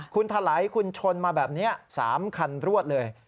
คุณถลายคุณชนมาแบบนี้๓คันรวดเลย